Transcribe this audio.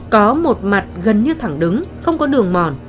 có một mặt gần như thẳng đứng không có đường mòn